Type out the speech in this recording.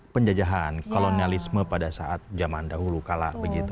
penjajahan kolonialisme pada saat zaman dahulu kalah begitu